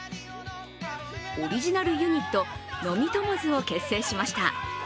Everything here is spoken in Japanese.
オリジナルユニット飲みトモズを結成しました。